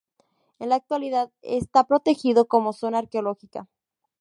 En la actualidad está protegido como zona arqueológica.